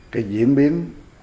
cái diễn biến